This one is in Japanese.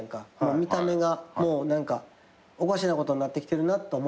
見た目がおかしなことになってきてるなと思ってるよ。